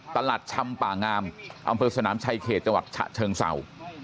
ตลาดชำป่างามอำเภิกสนามชายเขตจฉะเชิงเซา